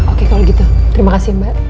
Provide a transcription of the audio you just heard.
oke kalau gitu terima kasih mbak